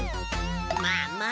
まあまあ。